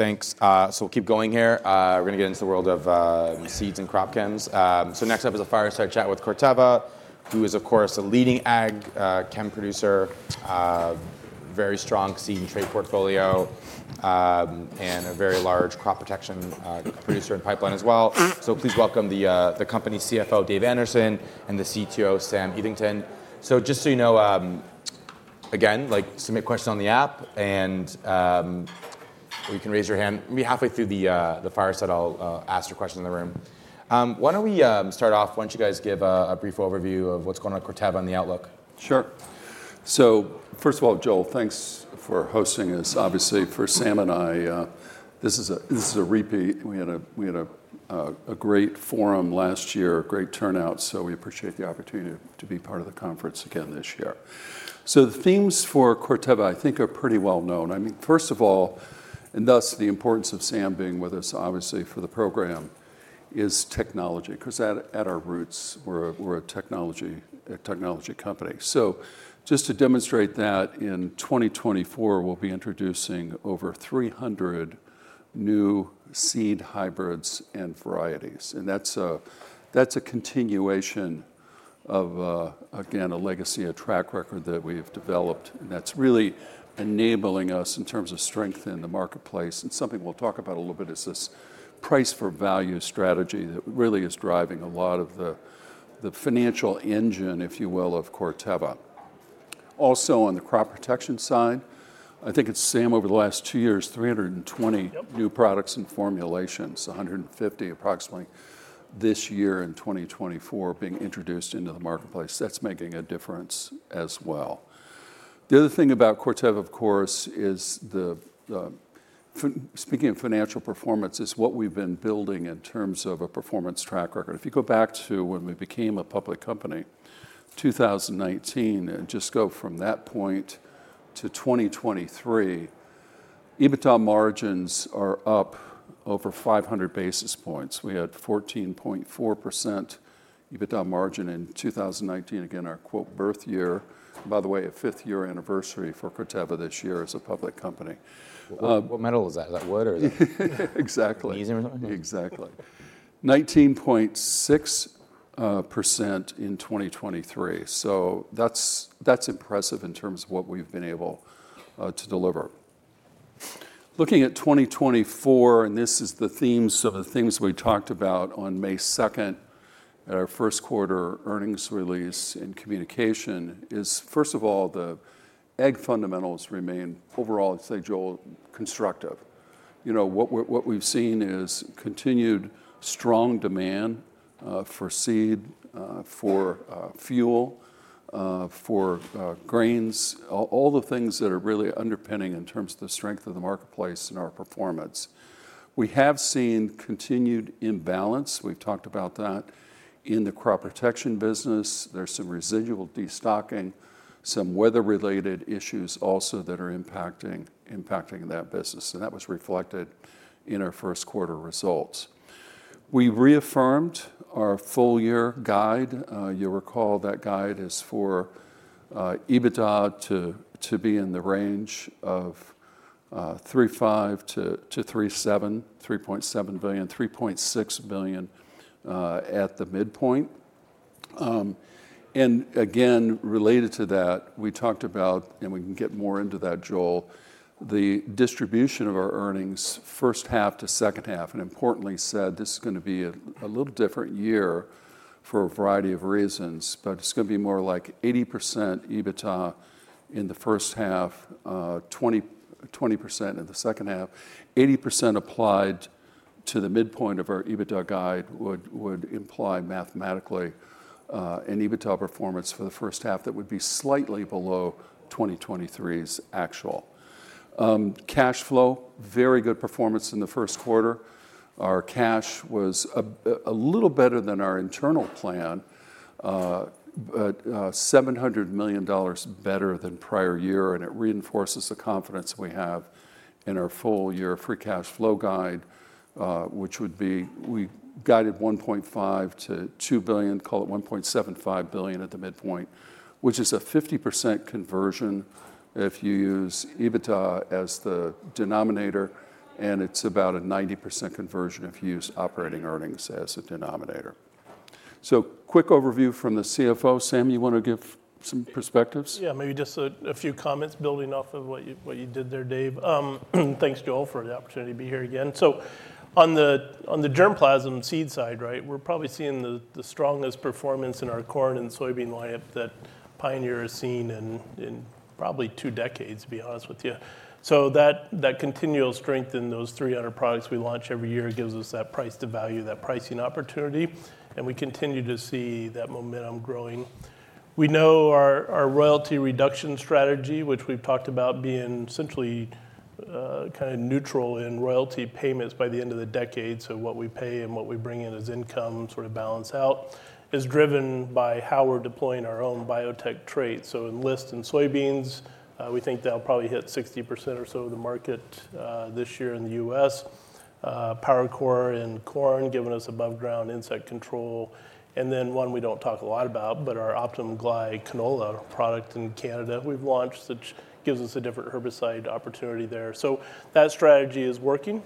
Thanks. So we'll keep going here. We're gonna get into the world of seeds and crop chems. So next up is a fireside chat with Corteva, who is, of course, a leading ag chem producer, very strong seed and trait portfolio, and a very large crop protection producer in the pipeline as well. So please welcome the company CFO, Dave Anderson, and the CTO, Sam Eathington. So just so you know, again, like, submit questions on the app, and or you can raise your hand. Maybe halfway through the fireside, I'll ask for questions in the room. Why don't we start off, why don't you guys give a brief overview of what's going on at Corteva on the outlook? Sure. So first of all, Joel Jackson, thanks for hosting this. Obviously, for Sam Eathington and I, this is a repeat. We had a great forum last year, a great turnout, so we appreciate the opportunity to be part of the conference again this year. So the themes for Corteva, I think, are pretty well known. I mean, first of all, and thus the importance of Sam Eathington being with us, obviously, for the program, is technology, 'cause at our roots, we're a technology company. So just to demonstrate that, in 2024, we'll be introducing over 300 new seed hybrids and varieties, and that's a continuation of, again, a legacy, a track record that we've developed, and that's really enabling us in terms of strength in the marketplace. And something we'll talk about a little bit is this price for value strategy that really is driving a lot of the financial engine, if you will, of Corteva. Also, on the crop protection side, I think it's Sam Eathington, over the last two years, 320- Yep... new products and formulations, approximately 150 this year in 2024, being introduced into the marketplace. That's making a difference as well. The other thing about Corteva, of course, is speaking of financial performance, is what we've been building in terms of a performance track record. If you go back to when we became a public company, 2019, and just go from that point to 2023, EBITDA margins are up over 500 basis points. We had 14.4% EBITDA margin in 2019, again, our quote, "birth year." By the way, a fifth-year anniversary for Corteva this year as a public company. What metal is that? Is that wood or is it- Exactly. Magnesium or something? Exactly. 19.6% in 2023, so that's, that's impressive in terms of what we've been able to deliver. Looking at 2024, and this is the themes of the things we talked about on May 2nd at our Q1 earnings release and communication, is, first of all, the ag fundamentals remain overall, I'd say, Joel Jackson, constructive. You know, what we've, what we've seen is continued strong demand for seed, for fuel, for grains, all, all the things that are really underpinning in terms of the strength of the marketplace and our performance. We have seen continued imbalance, we've talked about that, in the crop protection business. There's some residual destocking, some weather-related issues also that are impacting, impacting that business, and that was reflected in our Q1 results. We reaffirmed our full year guide. You'll recall that guide is for EBITDA to be in the range of $3.5 billion-$3.7 billion, $3.6 billion at the midpoint. And again, related to that, we talked about, and we can get more into that, Joel Jackson, the distribution of our earnings H1 to H2, and importantly said, this is gonna be a little different year for a variety of reasons, but it's gonna be more like 80% EBITDA in the H1, 20% in the H2. 80% applied to the midpoint of our EBITDA guide would imply mathematically an EBITDA performance for the H1 that would be slightly below 2023's actual. Cash flow, very good performance in the Q1. Our cash was a little better than our internal plan, but $700 million better than prior-year, and it reinforces the confidence we have in our full-year free cash flow guide, which would be... We guided $1.5 billion-$2 billion, call it $1.75 billion at the midpoint, which is a 50% conversion if you use EBITDA as the denominator, and it's about a 90% conversion if you use operating earnings as the denominator. So quick overview from the CFO. Sam Eathington, you want to give some perspectives? Yeah, maybe just a few comments building off of what you did there, Dave Anderson. Thanks, Joel Jackson, for the opportunity to be here again. So on the germplasm seed side, right, we're probably seeing the strongest performance in our corn and soybean line-up that Pioneer has seen in probably two decades, to be honest with you. So that continual strength in those 300 products we launch every year gives us that price to value, that pricing opportunity, and we continue to see that momentum growing. We know our royalty reduction strategy, which we've talked about being essentially kind of neutral in royalty payments by the end of the decade, so what we pay and what we bring in as income sort of balance out, is driven by how we're deploying our own biotech traits. So Enlist in soybeans, we think that'll probably hit 60% or so of the market this year in the U.S. PowerCore in corn, giving us above-ground insect control. And then one we don't talk a lot about, but our Optimum GLY canola product in Canada we've launched, which gives us a different herbicide opportunity there. So that strategy is working,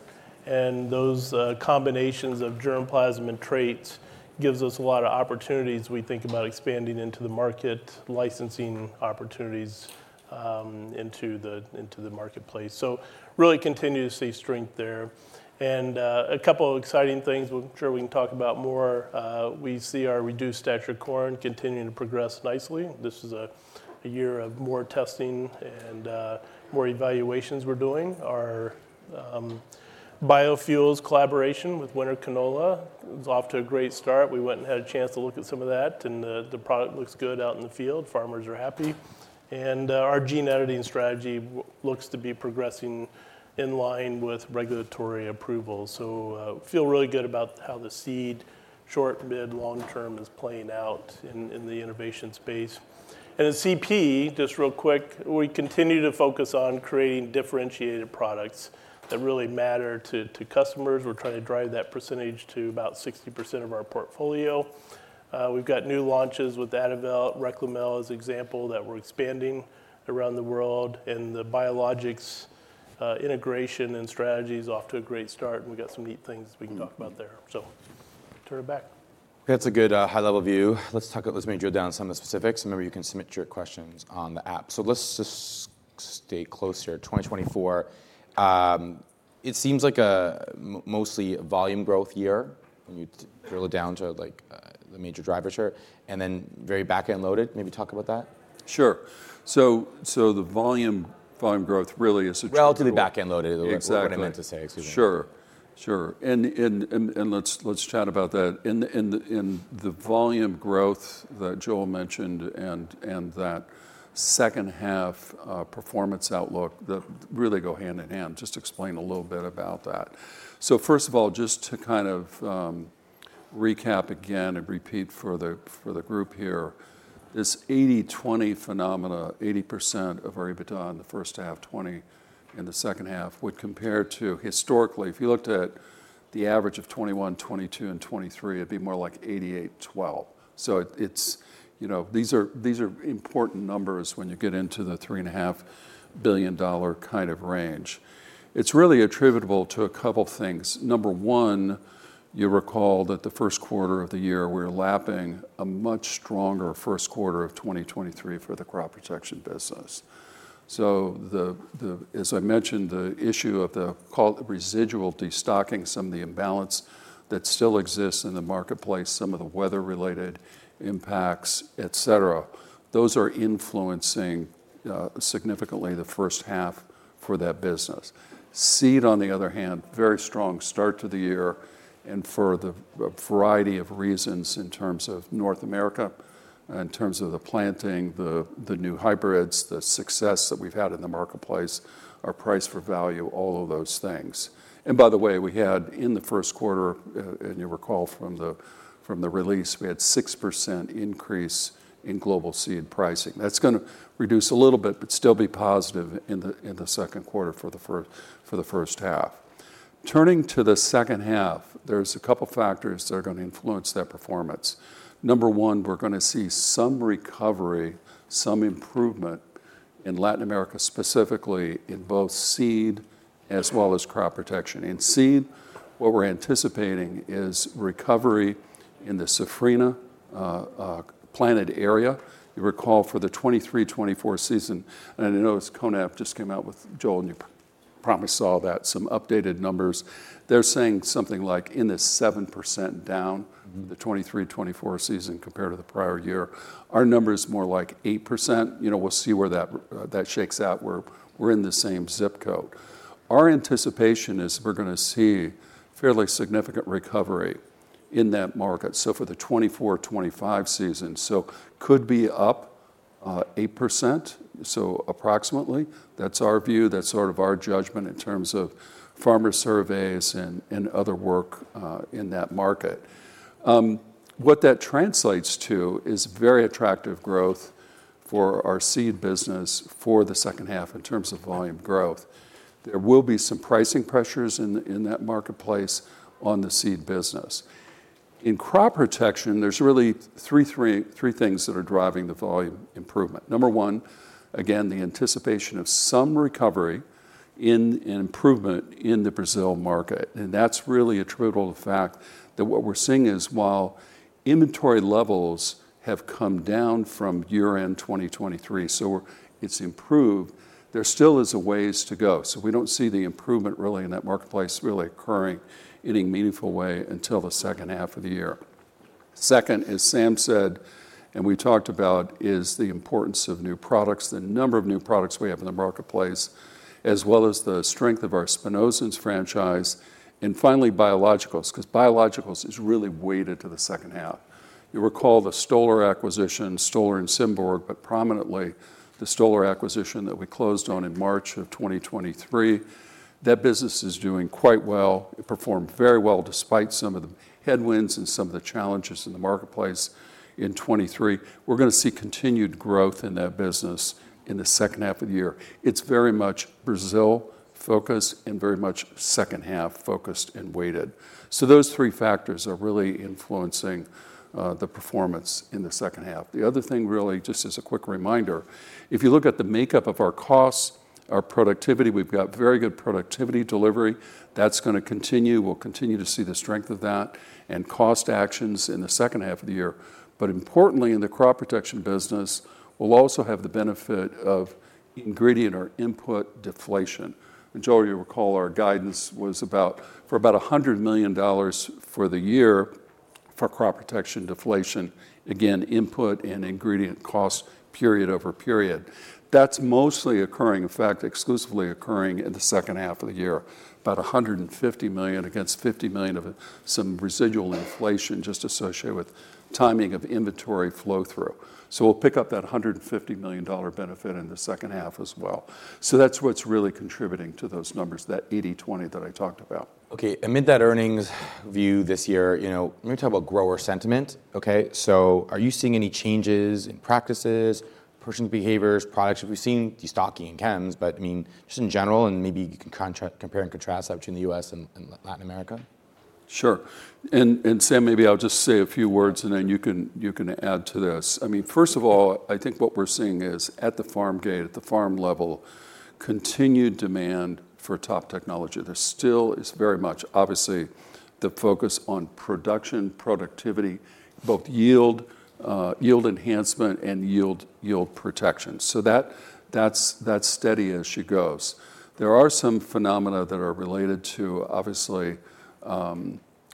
and those combinations of germplasm and traits gives us a lot of opportunities as we think about expanding into the market, licensing opportunities, into the marketplace. So really continue to see strength there. And a couple of exciting things, which I'm sure we can talk about more. We see our reduced stature corn continuing to progress nicely. This is a year of more testing and more evaluations we're doing. Our biofuels collaboration with winter canola is off to a great start. We went and had a chance to look at some of that, and the, the product looks good out in the field. Farmers are happy. And our gene editing strategy looks to be progressing in line with regulatory approval. So feel really good about how the seed, short, mid, long-term is playing out in, in the innovation space. And in CP, just real quick, we continue to focus on creating differentiated products that really matter to, to customers. We're trying to drive that percentage to about 60% of our portfolio. We've got new launches with Adavelt. Reklemel is example that we're expanding around the world, and the biologicals integration and strategy is off to a great start, and we've got some neat things we can talk about there. So turn it back. That's a good, high-level view. Let's talk about... Let's maybe drill down on some of the specifics. Remember, you can submit your questions on the app. So let's just stay closer. 2024, it seems like a mostly volume growth year when you drill it down to, like, the major drivers here, and then very back-end loaded. Maybe talk about that? Sure. So, the volume growth really is- Relatively back-end loaded- Exactly. Is what I meant to say. Excuse me. Sure, sure. And let's chat about that. In the volume growth that Joel Jackson mentioned and that H2 performance outlook, that really go hand in hand. Just explain a little bit about that. So first of all, just to kind of recap again and repeat for the group here, this 80%-20% phenomena, 80% of our EBITDA in the H1, 20% in the H2, would compare to historically, if you looked at the average of 2021, 2022, and 2023, it'd be more like 88%-12%. So it's, you know, these are important numbers when you get into the $3.5 billion kind of range. It's really attributable to a couple things. Number one, you recall that the Q1 of the year, we were lapping a much stronger Q1 of 2023 for the crop protection business. So, as I mentioned, the issue of the call it residual destocking, some of the imbalance that still exists in the marketplace, some of the weather-related impacts, et cetera, those are influencing significantly the H1 for that business. Seed, on the other hand, very strong start to the year and for the variety of reasons in terms of North America, in terms of the planting, the new hybrids, the success that we've had in the marketplace, our price for value, all of those things. And by the way, we had in the Q1, and you'll recall from the, from the release, we had 6% increase in global seed pricing. That's gonna reduce a little bit, but still be positive in the Q2 for the H1. Turning to the H2, there's a couple factors that are gonna influence that performance. Number one, we're gonna see some recovery, some improvement in Latin America, specifically in both seed as well as crop protection. In seed, what we're anticipating is recovery in the Safrinha planted area. You recall for the 2023-2024 season, and I notice CONAB just came out with, Joel Jackson, and you probably saw that, some updated numbers. They're saying something like in the 7% down- Mm-hmm.... the 2023-2024 season compared to the prior-year. Our number is more like 8%. You know, we'll see where that that shakes out. We're in the same zip code. Our anticipation is we're gonna see fairly significant recovery in that market, so for the 2024-2025 season, so could be up 8%, so approximately. That's our view. That's sort of our judgment in terms of farmer surveys and other work in that market. What that translates to is very attractive growth for our seed business for the H2 in terms of volume growth. There will be some pricing pressures in that marketplace on the seed business. In crop protection, there's really three things that are driving the volume improvement. Number one, again, the anticipation of some recovery in improvement in the Brazil market, and that's really attributable to the fact that what we're seeing is, while inventory levels have come down from year-end 2023, so it's improved, there still is a ways to go. So we don't see the improvement really in that marketplace really occurring any meaningful way until the H2 of the year. Second, as Sam Eathington said, and we talked about, is the importance of new products, the number of new products we have in the marketplace, as well as the strength of our spinosyns franchise, and finally, biologicals, 'cause biologicals is really weighted to the H2. You recall the Stoller acquisition, Stoller and Symborg, but prominently the Stoller acquisition that we closed on in March of 2023. That business is doing quite well. It performed very well despite some of the-... Headwinds and some of the challenges in the marketplace in 2023, we're gonna see continued growth in that business in the H2 of the year. It's very much Brazil-focused and very much H2-focused and weighted. So those three factors are really influencing the performance in the H2. The other thing, really, just as a quick reminder, if you look at the makeup of our costs, our productivity, we've got very good productivity delivery. That's gonna continue. We'll continue to see the strength of that and cost actions in the H2 of the year. But importantly, in the crop protection business, we'll also have the benefit of ingredient or input deflation. Majority of you recall our guidance was for about $100 million for the year for crop protection deflation. Again, input and ingredient cost period over period. That's mostly occurring, in fact, exclusively occurring in the H2 of the year. About $150 million against $50 million of some residual inflation just associated with timing of inventory flow-through. So we'll pick up that $150 million-dollar benefit in the H2 as well. So that's what's really contributing to those numbers, that 80%-20% that I talked about. Okay, amid that earnings view this year, you know, let me talk about grower sentiment, okay? So are you seeing any changes in practices, personal behaviors, products? We've seen destocking in chems, but, I mean, just in general, and maybe you can compare and contrast between the U.S. and Latin America. Sure. And, and Sam Eathington, maybe I'll just say a few words, and then you can, you can add to this. I mean, first of all, I think what we're seeing is, at the farm gate, at the farm level, continued demand for top technology. There still is very much, obviously, the focus on production, productivity, both yield, yield enhancement and yield, yield protection. So that, that's, that's steady as she goes. There are some phenomena that are related to, obviously,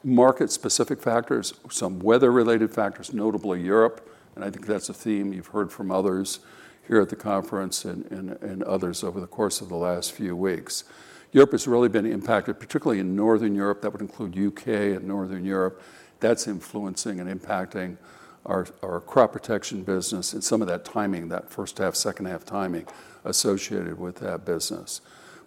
market-specific factors, some weather-related factors, notably Europe, and I think that's a theme you've heard from others here at the conference and, and, and others over the course of the last few weeks. Europe has really been impacted, particularly in Northern Europe. That would include U.K. and Northern Europe. That's influencing and impacting our, our crop protection business and some of that timing, that H1, H2 timing associated with that business.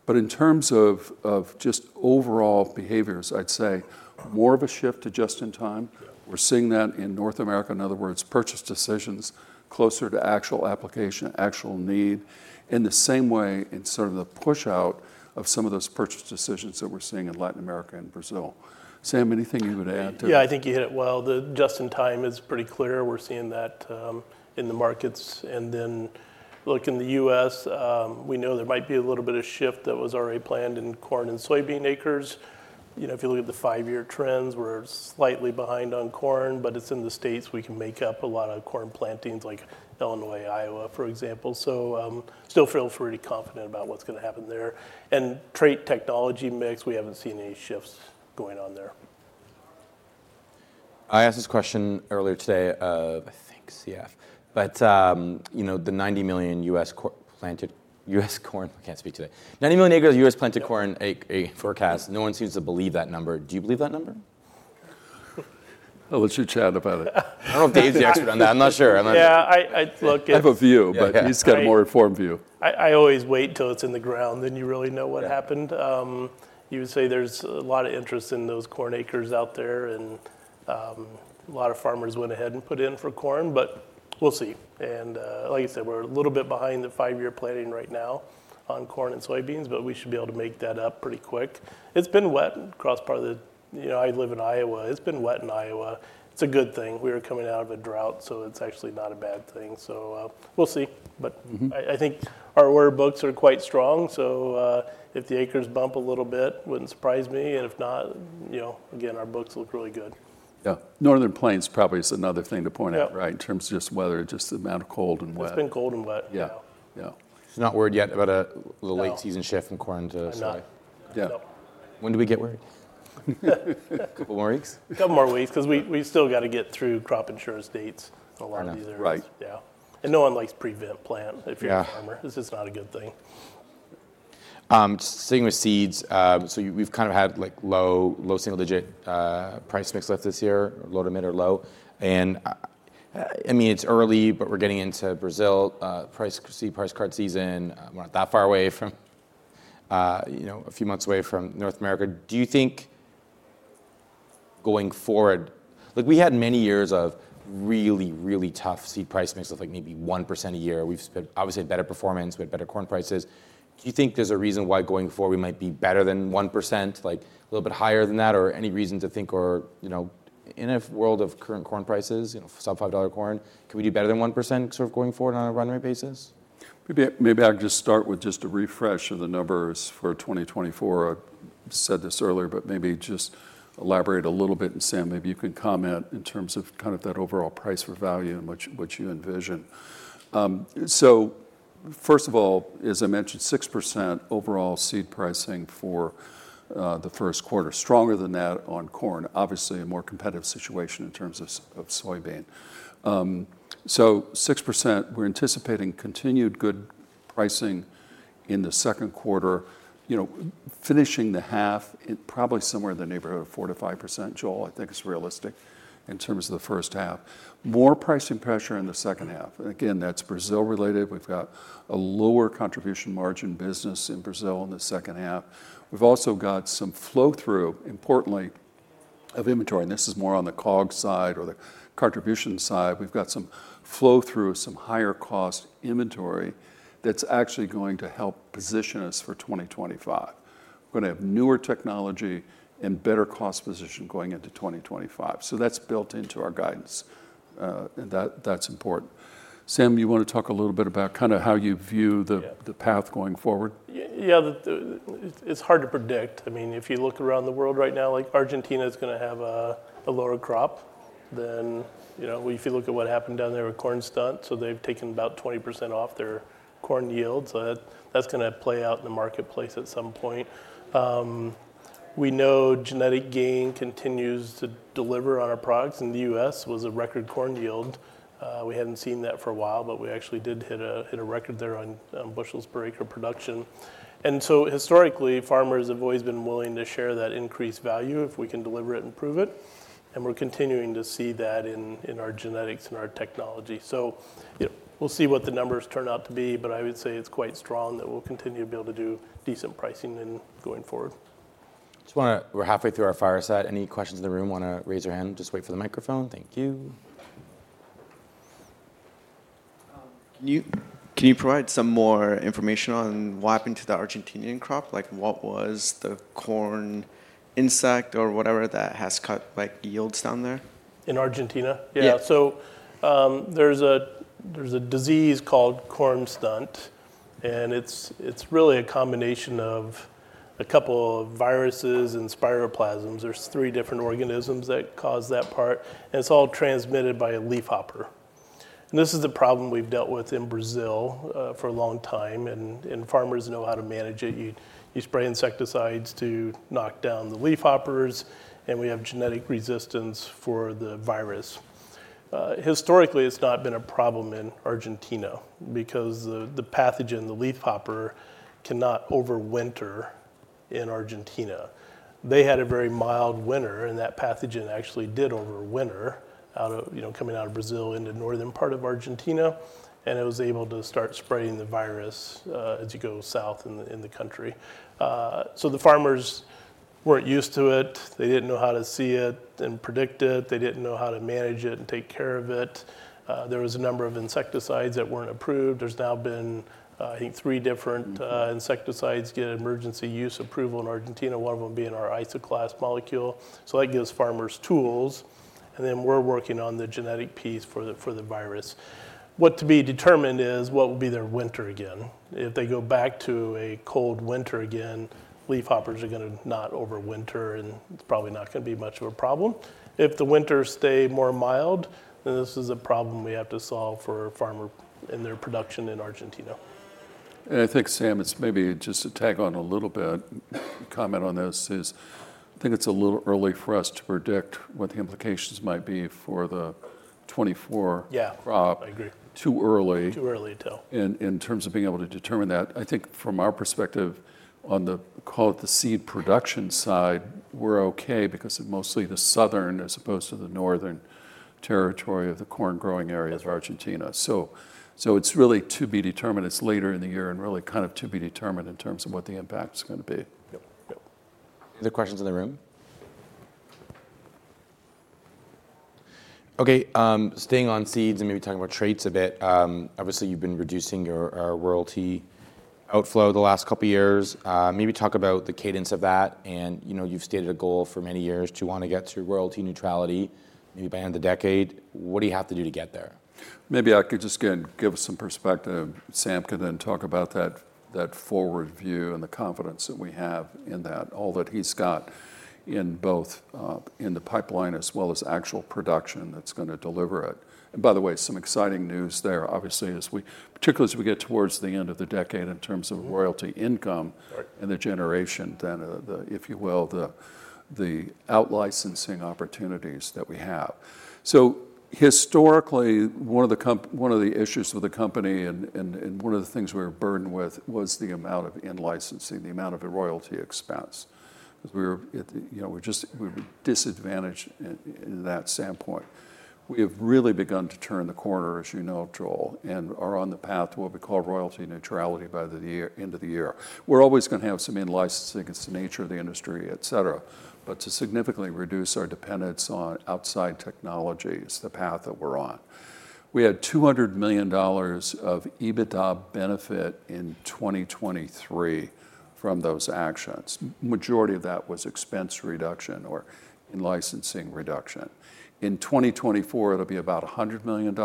But in terms of, of just overall behaviors, I'd say more of a shift to just-in-time. Yeah. We're seeing that in North America. In other words, purchase decisions closer to actual application, actual need, in the same way in sort of the push out of some of those purchase decisions that we're seeing in Latin America and Brazil. Sam Eathington, anything you would add to that? Yeah, I think you hit it well. The just-in-time is pretty clear. We're seeing that in the markets. And then look, in the U.S., we know there might be a little bit of shift that was already planned in corn and soybean acres. You know, if you look at the five-year trends, we're slightly behind on corn, but it's in the states we can make up a lot of corn plantings, like Illinois, Iowa, for example. So, still feel pretty confident about what's gonna happen there. And trait technology mix, we haven't seen any shifts going on there. I asked this question earlier today of, I think, CF, but, you know, the 90 million acres of U.S. planted corn... I can't speak today. 90 million acres of U.S. planted corn, a forecast. No one seems to believe that number. Do you believe that number? Oh, let's chat about it. I don't know if Dave Anderson's the expert on that. I'm not sure. I'm- Yeah, look, it's- I have a view- Yeah... but he's got a more informed view. I always wait till it's in the ground. Then you really know what happened. Yeah. You would say there's a lot of interest in those corn acres out there, and a lot of farmers went ahead and put in for corn, but we'll see. And like I said, we're a little bit behind the five-year planning right now on corn and soybeans, but we should be able to make that up pretty quick. It's been wet across part of the, you know, I live in Iowa. It's been wet in Iowa. It's a good thing. We were coming out of a drought, so it's actually not a bad thing. So we'll see. Mm-hmm. But I think our order books are quite strong, so if the acres bump a little bit, wouldn't surprise me, and if not, you know, again, our books look really good. Yeah. Northern Plains probably is another thing to point out- Yeah... right, in terms of just weather, just the amount of cold and wet. It's been cold and wet. Yeah. Yeah. Yeah. Not worried yet about a- No... late season shift in corn to soy? I'm not. Yeah. No. When do we get worried? Couple more weeks? Couple more weeks, 'cause we still got to get through crop insurance dates in a lot of these areas. I know, right. Yeah, and no one likes prevent plant- Yeah... if you're a farmer. It's just not a good thing. Sticking with seeds, so we've kind of had, like, low-single-digit price mix lift this year, low-mid or low. I mean, it's early, but we're getting into Brazil pricing, seed pricing season. We're not that far away from—you know, a few months away from North America. Do you think going forward... Look, we had many years of really, really tough seed price mix of, like, maybe 1% a year. We've obviously had better performance. We had better corn prices. Do you think there's a reason why going forward we might be better than 1%, like, a little bit higher than that, or any reason to think or, you know, in a world of current corn prices, you know, sub-$5 corn, can we do better than 1% sort of going forward on a run rate basis? Maybe I, maybe I'll just start with just a refresh of the numbers for 2024. I said this earlier, but maybe just elaborate a little bit, and Sam Eathington, maybe you could comment in terms of kind of that overall price for value and what, what you envision. So first of all, as I mentioned, 6% overall seed pricing for the Q1. Stronger than that on corn. Obviously, a more competitive situation in terms of, of soybean. So 6%, we're anticipating continued good pricing in the Q2, you know, finishing the half at probably somewhere in the neighborhood of 4%-5%. Joel Jackson, I think is realistic in terms of the H1. More pricing pressure in the H2, and again, that's Brazil-related. We've got a lower contribution margin business in Brazil in the H2. We've also got some flow-through, importantly-... of inventory, and this is more on the COGS side or the contribution side. We've got some flow through of some higher cost inventory that's actually going to help position us for 2025. We're gonna have newer technology and better cost position going into 2025. So that's built into our guidance, and that, that's important. Sam Eathington, you wanna talk a little bit about kind of how you view the- Yeah... the path going forward? Yeah, it's hard to predict. I mean, if you look around the world right now, like, Argentina is gonna have a lower crop than you know, if you look at what happened down there with corn stunt, so they've taken about 20% off their corn yield. So that, that's gonna play out in the marketplace at some point. We know genetic gain continues to deliver on our products, in the U.S. was a record corn yield. We hadn't seen that for a while, but we actually did hit a record there on bushels per acre production. And so historically, farmers have always been willing to share that increased value if we can deliver it and prove it, and we're continuing to see that in our genetics and our technology. So yeah, we'll see what the numbers turn out to be, but I would say it's quite strong that we'll continue to be able to do decent pricing going forward. Just wanna... We're halfway through our fireside. Any questions in the room, wanna raise your hand? Just wait for the microphone. Thank you. Can you, can you provide some more information on what happened to the Argentinian crop? Like, what was the corn insect or whatever that has cut, like, yields down there? In Argentina? Yeah. Yeah. So, there's a disease called corn stunt, and it's really a combination of a couple of viruses and spiroplasms. There's three different organisms that cause that part, and it's all transmitted by a leafhopper. And this is a problem we've dealt with in Brazil for a long time, and farmers know how to manage it. You spray insecticides to knock down the leafhoppers, and we have genetic resistance for the virus. Historically, it's not been a problem in Argentina because the pathogen, the leafhopper, cannot overwinter in Argentina. They had a very mild winter, and that pathogen actually did overwinter out of, you know, coming out of Brazil into the northern part of Argentina, and it was able to start spreading the virus as you go south in the country. So the farmers weren't used to it. They didn't know how to see it and predict it. They didn't know how to manage it and take care of it. There was a number of insecticides that weren't approved. There's now been, I think, three different- Mm... insecticides get emergency use approval in Argentina, one of them being our Isoclast molecule. So that gives farmers tools, and then we're working on the genetic piece for the, for the virus. What to be determined is what will be their winter again. If they go back to a cold winter again, leafhoppers are gonna not overwinter, and it's probably not gonna be much of a problem. If the winters stay more mild, then this is a problem we have to solve for a farmer and their production in Argentina. I think, Sam Eathington, it's maybe just to tag on a little bit, comment on this is, I think it's a little early for us to predict what the implications might be for the 2024- Yeah... crop. I agree. Too early. Too early to tell. In terms of being able to determine that, I think from our perspective, call it the seed production side, we're okay because of mostly the southern as opposed to the northern territory of the corn-growing areas of Argentina. So it's really to be determined. It's later in the year and really kind of to be determined in terms of what the impact is gonna be. Yep. Yep. Other questions in the room? Okay, staying on seeds and maybe talking about traits a bit, obviously, you've been reducing your royalty outflow the last couple of years. Maybe talk about the cadence of that. And, you know, you've stated a goal for many years to want to get to royalty neutrality, maybe by the end of the decade. What do you have to do to get there? Maybe I could just again give some perspective. Sam Eathington can then talk about that, that forward view and the confidence that we have in that, all that he's got in both in the pipeline as well as actual production that's gonna deliver it. And by the way, some exciting news there, obviously, as we particularly as we get towards the end of the decade in terms of- Mm-hmm... royalty income- Right... and the generation, then, if you will, the out licensing opportunities that we have. So historically, one of the issues with the company and one of the things we were burdened with was the amount of in-licensing, the amount of the royalty expense, 'cause we were at the, you know, we were disadvantaged in that standpoint. We have really begun to turn the corner, as you know, Joel Jackson, and are on the path to what we call royalty neutrality by the year, end of the year. We're always gonna have some in-licensing. It's the nature of the industry, et cetera, but to significantly reduce our dependence on outside technology is the path that we're on. We had $200 million of EBITDA benefit in 2023 from those actions. Majority of that was expense reduction or in-licensing reduction. In 2024, it'll be about $100 million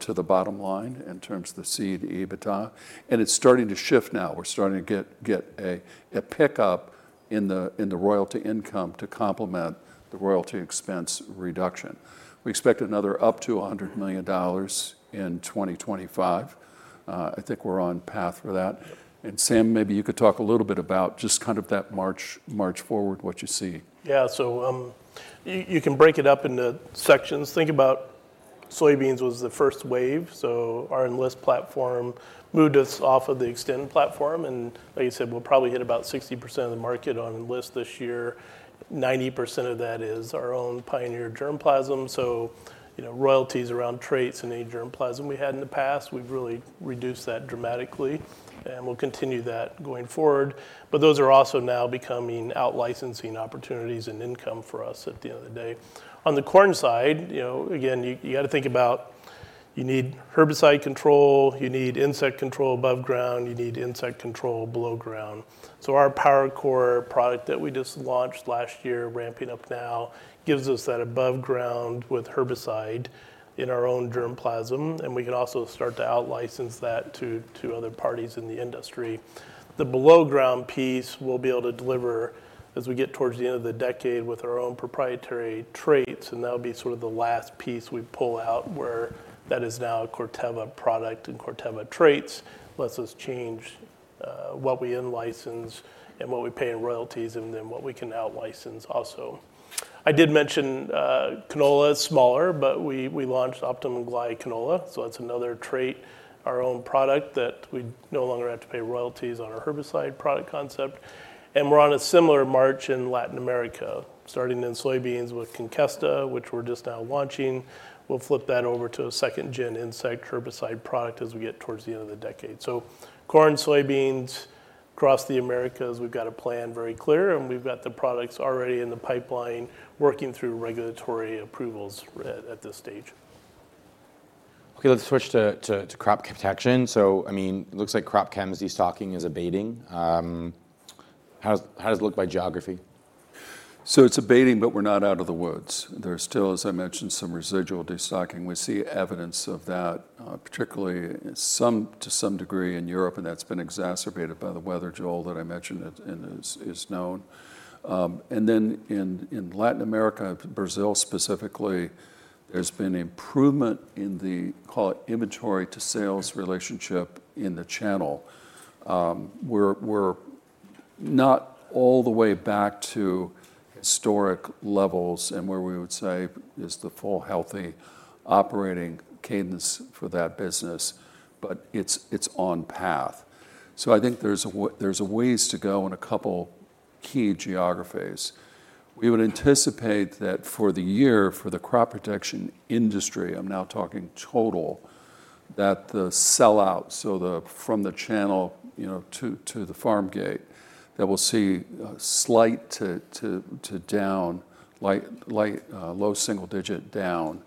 to the bottom line in terms of the seed EBITDA, and it's starting to shift now. We're starting to get a pickup in the royalty income to complement the royalty expense reduction. We expect another up to $100 million in 2025. I think we're on path for that. Yep. Sam Eathington, maybe you could talk a little bit about just kind of that march, march forward, what you see. Yeah. So, you can break it up into sections. Think about soybeans was the first wave, so our Enlist platform moved us off of the Xtend platform, and like you said, we'll probably hit about 60% of the market on Enlist this year. 90% of that is our own Pioneer germplasm, so, you know, royalties around traits and any germplasm we had in the past, we've really reduced that dramatically, and we'll continue that going forward. But those are also now becoming out-licensing opportunities and income for us at the end of the day. On the corn side, you know, again, you got to think about you need herbicide control, you need insect control above ground, you need insect control below ground. So our PowerCore product that we just launched last year, ramping up now, gives us that above ground with herbicide in our own germplasm, and we can also start to outlicense that to other parties in the industry. The below ground piece we'll be able to deliver as we get towards the end of the decade with our own proprietary traits, and that'll be sort of the last piece we pull out, where that is now a Corteva product and Corteva traits. Let's us change what we in-license and what we pay in royalties, and then what we can outlicense also. I did mention canola is smaller, but we launched Optimum GLY canola, so that's another trait, our own product, that we no longer have to pay royalties on our herbicide product concept. And we're on a similar march in Latin America, starting in soybeans Conkesta E3 soybeans, which we're just now launching. We'll flip that over to a second-gen insect herbicide product as we get towards the end of the decade. So corn, soybeans, across the Americas, we've got a plan very clear, and we've got the products already in the pipeline, working through regulatory approvals at this stage. Okay, let's switch to crop protection. So, I mean, it looks like crop chem destocking is abating. How does it look by geography? So it's abating, but we're not out of the woods. There's still, as I mentioned, some residual destocking. We see evidence of that, particularly to some degree, in Europe, and that's been exacerbated by the weather, Joel Jackson, that I mentioned and is known. And then in Latin America, Brazil specifically, there's been improvement in the, call it, inventory-to-sales relationship in the channel. We're not all the way back to historic levels and where we would say is the full, healthy operating cadence for that business, but it's on path. So I think there's a ways to go in a couple key geographies. We would anticipate that for the year, for the crop protection industry, I'm now talking total, that the sell-out, so from the channel, you know, to the farm gate, that we'll see a slight to light low-single-digit down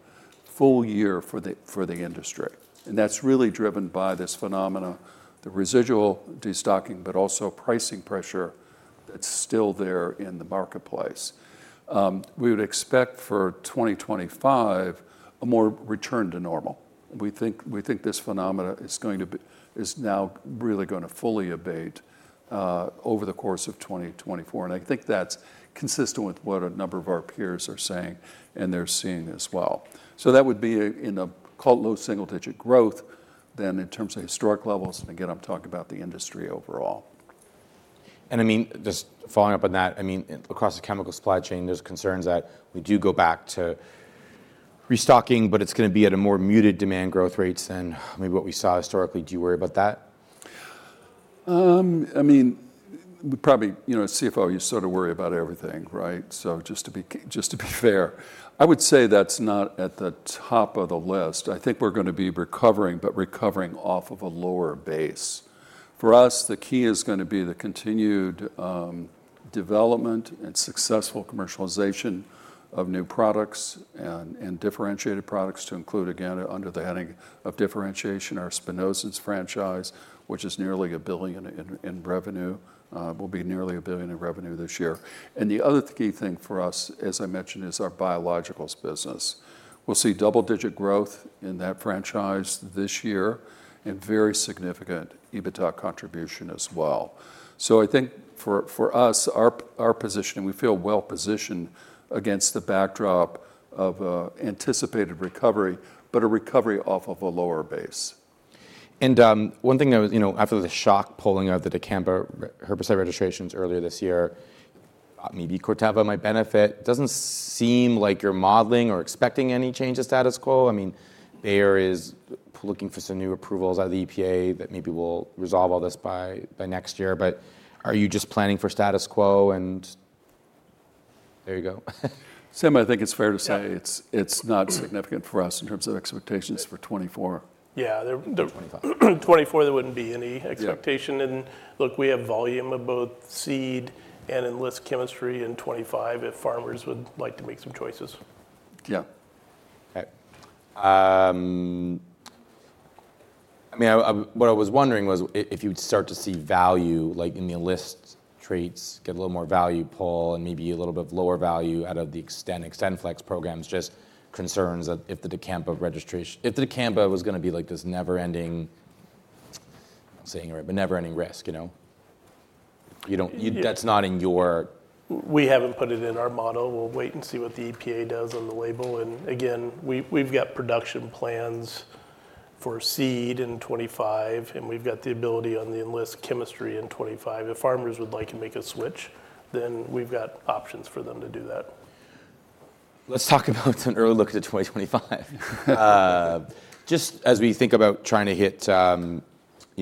full year for the industry. That's really driven by this phenomena, the residual destocking, but also pricing pressure that's still there in the marketplace. We would expect for 2025, a more return to normal. We think this phenomena is now really gonna fully abate over the course of 2024. I think that's consistent with what a number of our peers are saying and they're seeing as well. So that would be in a low-single-digit growth than in terms of historic levels, and again, I'm talking about the industry overall. I mean, just following up on that, I mean, across the chemical supply chain, there's concerns that we do go back to restocking, but it's gonna be at a more muted demand growth rates than maybe what we saw historically. Do you worry about that? I mean, probably, you know, as CFO, you sort of worry about everything, right? So just to be fair, I would say that's not at the top of the list. I think we're gonna be recovering, but recovering off of a lower base. For us, the key is gonna be the continued development and successful commercialization of new products and differentiated products to include, again, under the heading of differentiation, our spinosyns franchise, which is nearly $1 billion in revenue, will be nearly $1 billion in revenue this year. And the other key thing for us, as I mentioned, is our biologicals business. We'll see double-digit growth in that franchise this year and very significant EBITDA contribution as well. I think for us, our position, we feel well positioned against the backdrop of an anticipated recovery, but a recovery off of a lower base. One thing that was, you know, after the shock pulling of the dicamba herbicide registrations earlier this year, maybe Corteva might benefit. Doesn't seem like you're modeling or expecting any change of status quo. I mean, Bayer is looking for some new approvals out of the EPA that maybe will resolve all this by next year. But are you just planning for status quo and... There you go. Sam Eathington, I think it's fair to say- Yeah... it's, it's not significant for us in terms of expectations for 2024. Yeah, there, there- 2025. 2024, there wouldn't be any expectation. Yeah. Look, we have volume of both seed and Enlist chemistry in 2025, if farmers would like to make some choices. Yeah. Okay. I mean, what I was wondering was if you would start to see value, like in the Enlist traits, get a little more value pull and maybe a little bit of lower value out of the Xtend, XtendFlex programs, just concerns that if the dicamba registration, if dicamba was gonna be like this never-ending, saying it right, but never-ending risk, you know? You don't- Yeah That's not in your- We haven't put it in our model. We'll wait and see what the EPA does on the label. And again, we, we've got production plans for seed in 2025, and we've got the ability on the Enlist chemistry in 2025. If farmers would like to make a switch, then we've got options for them to do that. Let's talk about an early look at 2025. Just as we think about trying to hit, you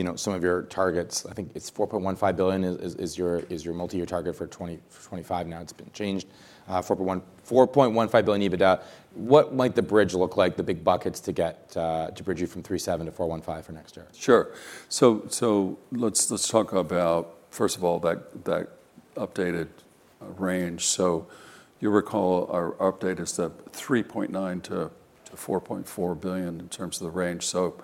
know, some of your targets, I think it's $4.15 billion is, is, is your, is your multi-year target for 2025. Now, it's been changed, $4.15 billion EBITDA. What might the bridge look like, the big buckets to get, to bridge you from $3.7 billion to $4.15 billion for next year? Sure. So let's talk about, first of all, that updated range. So you'll recall our update is the $3.9 billion-$4.4 billion in terms of the range. So,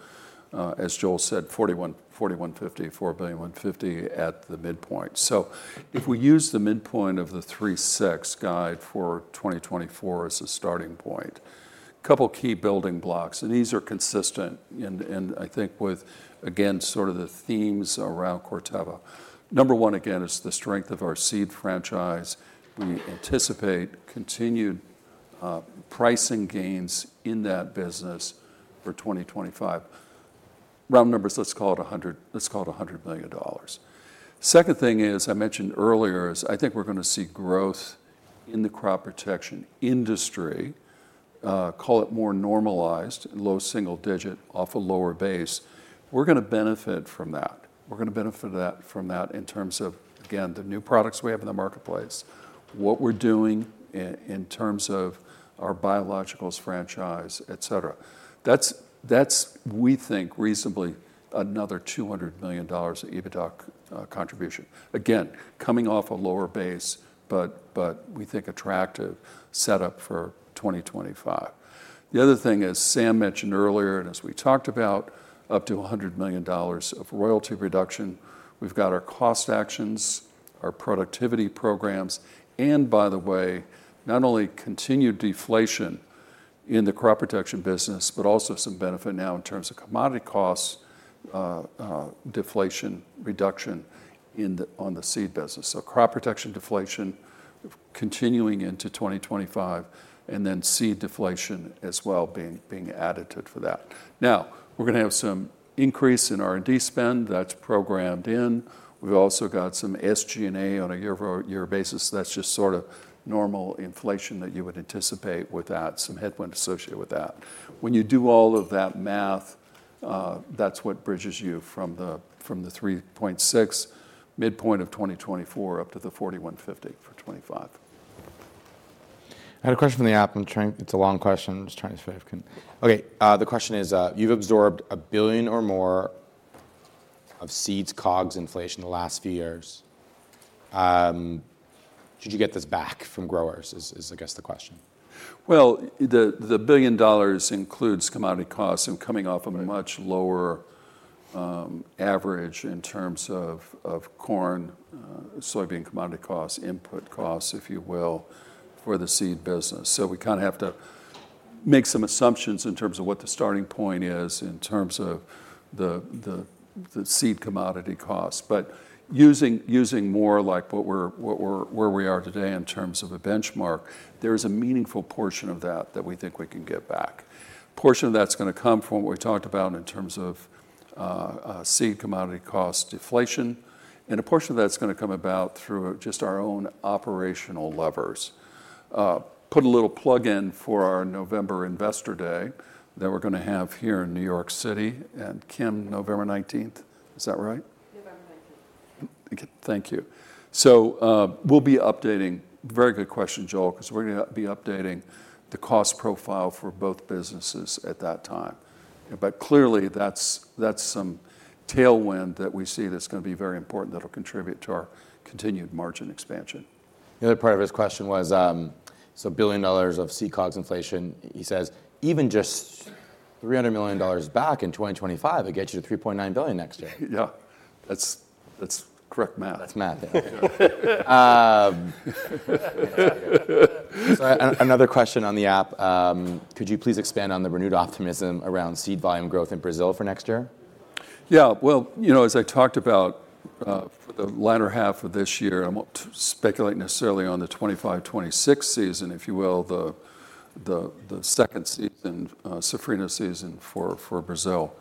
as Joel Jackson said, $4.150 billion at the midpoint. So if we use the midpoint of the $3.6 billion guide for 2024 as a starting point, a couple key building blocks, and these are consistent, I think with, again, sort of the themes around Corteva. Number one, again, is the strength of our seed franchise. We anticipate continued pricing gains in that business for 2025. Round numbers, let's call it $100 million. Second thing is, I mentioned earlier, is I think we're gonna see growth in the crop protection industry, call it more normalized, low single digit off a lower base. We're gonna benefit from that. We're gonna benefit that, from that in terms of, again, the new products we have in the marketplace, what we're doing in terms of our biologicals franchise, et cetera. That's, that's, we think, reasonably another $200 million of EBITDA contribution. Again, coming off a lower base, but, but we think attractive setup for 2025. The other thing, as Sam Eathington mentioned earlier, and as we talked about, up to $100 million of royalty reduction. We've got our cost actions, our productivity programs, and by the way, not only continued deflation in the crop protection business, but also some benefit now in terms of commodity costs, deflation reduction in on the seed business. So crop protection deflation continuing into 2025, and then seed deflation as well being, being added to for that. Now, we're gonna have some increase in R&D spend that's programmed in. We've also got some SG&A on a year-over-year basis. That's just sort of normal inflation that you would anticipate with that, some headwind associated with that. When you do all of that math, that's what bridges you from the, from the $3.6 billion midpoint of 2024 up to the $4.15 billion-$4.50 billion for 2025. I had a question from the app. It's a long question. Okay, the question is: you've absorbed $1 billion or more of seeds COGS inflation in the last few years. Should you get this back from growers? I guess that's the question. Well, the $1 billion includes commodity costs and coming off a much lower- Right... average in terms of, of corn, soybean commodity costs, input costs, if you will, for the seed business. So we kind of have to make some assumptions in terms of what the starting point is, in terms of the, the, the seed commodity cost. But using more like where we are today in terms of a benchmark, there is a meaningful portion of that, that we think we can get back. Portion of that's gonna come from what we talked about in terms of seed commodity cost deflation, and a portion of that's gonna come about through just our own operational levers. Put a little plug in for our November Investor Day that we're gonna have here in New York City, and Kim Booth, November 19th, is that right? November 19th. Okay, thank you. So, we'll be updating. Very good question, Joel Jackson, because we're gonna be updating the cost profile for both businesses at that time. But clearly, that's some tailwind that we see that's gonna be very important, that'll contribute to our continued margin expansion. The other part of his question was, so a billion dollars of seed COGS inflation. He says, "Even just $300 million back in 2025, it gets you to $3.9 billion next year. Yeah, that's, that's correct math. That's math. So another question on the app. Could you please expand on the renewed optimism around seed volume growth in Brazil for next year? Yeah, well, you know, as I talked about, for the latter half of this year, I won't speculate necessarily on the 2025-2026 season, if you will, the second season, safrinha season for Brazil.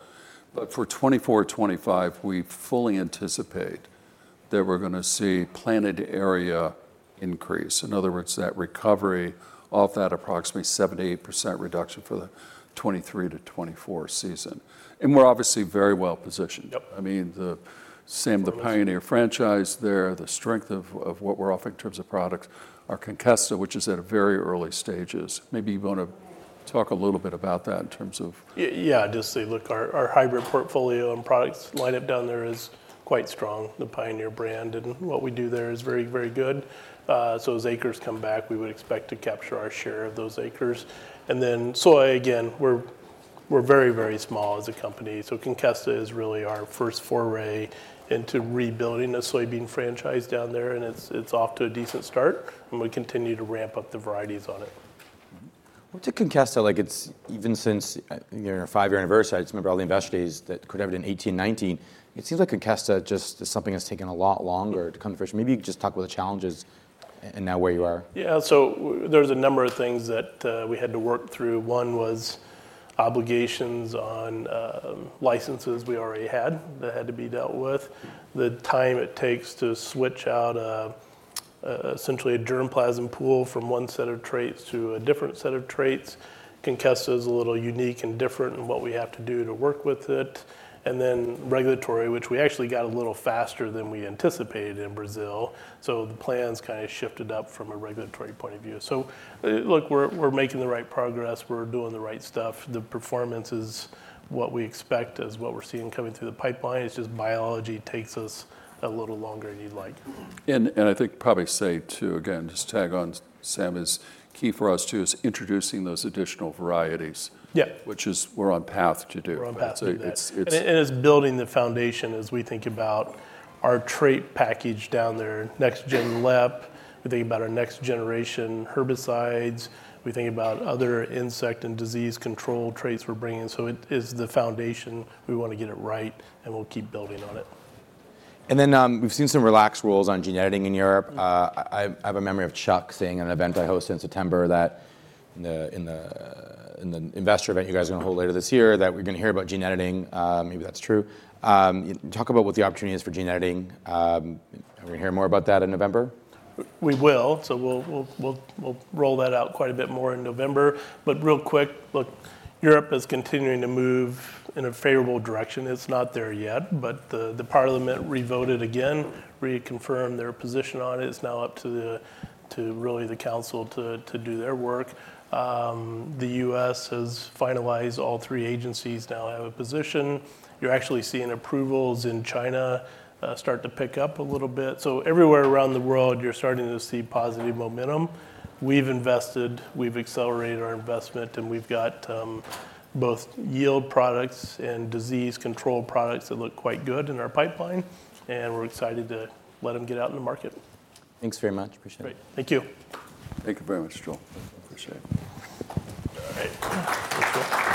But for 2024-2025, we fully anticipate that we're gonna see planted area increase. In other words, that recovery off that approximately 78% reduction for the 2023-2024 season, and we're obviously very well positioned. Yep. I mean, the same, the Pioneer franchise there, the strength of what we're offering in terms of products, Conkesta E3 soybeans, which is at a very early stages. Maybe you want to talk a little bit about that in terms of- Yeah, just say, look, our hybrid portfolio and products line-up down there is quite strong. The Pioneer brand and what we do there is very, very good. So as acres come back, we would expect to capture our share of those acres. And then soy again, we're very, very small as a company, Conkesta E3 soybeans is really our first foray into rebuilding a soybean franchise down there, and it's off to a decent start, and we continue to ramp up the varieties on it. Mm-hmm. What's Conkesta E3 soybeans like? It's even since your five-year anniversary. I just remember all the Investor Days that Corteva had in 2018, 2019. It seems Conkesta E3 soybeans just is something that's taken a lot longer to come to fruition. Maybe you could just talk about the challenges and now where you are. Yeah, so there's a number of things that we had to work through. One was obligations on licenses we already had, that had to be dealt with. The time it takes to switch out, essentially, a germplasm pool from one set of traits to a different set of Conkesta E3 soybeans is a little unique and different in what we have to do to work with it. And then regulatory, which we actually got a little faster than we anticipated in Brazil, so the plans kind of shifted up from a regulatory point of view. So, look, we're, we're making the right progress. We're doing the right stuff. The performance is what we expect, is what we're seeing coming through the pipeline. It's just biology takes us a little longer than you'd like. I think probably say, too, again, just tag on, Sam Eathington, is key for us, too, is introducing those additional varieties- Yeah... which is, we're on path to do. We're on path to do that. It's, it's- And it's building the foundation as we think about our trait package down there. Next Gen LEP, we think about our next generation herbicides, we think about other insect and disease control traits we're bringing. So it is the foundation. We want to get it right, and we'll keep building on it. Then, we've seen some relaxed rules on gene editing in Europe. I have a memory of Chuck Magro saying at an event I hosted in September, that in the Investor event you guys are gonna hold later this year, that we're gonna hear about gene editing. Maybe that's true. Talk about what the opportunity is for gene editing. Are we gonna hear more about that in November? We will. So we'll roll that out quite a bit more in November. But real quick, look, Europe is continuing to move in a favorable direction. It's not there yet, but the parliament revoted again, reconfirmed their position on it. It's now up to really the council to do their work. The U.S. has finalized. All three agencies now have a position. You're actually seeing approvals in China start to pick up a little bit. So everywhere around the world, you're starting to see positive momentum. We've invested. We've accelerated our investment, and we've got both yield products and disease control products that look quite good in our pipeline, and we're excited to let them get out in the market. Thanks very much. Appreciate it. Great. Thank you. Thank you very much, Joel Jackson. Appreciate it. All right. Thank you.